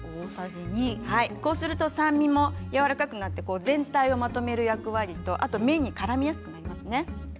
こうすると酸味もやわらかくなって全体をまとめる役割とあと麺にもからみやすくなりますね。